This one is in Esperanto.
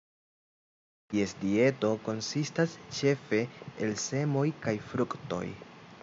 Ties dieto konsistas ĉefe el semoj kaj fruktoj.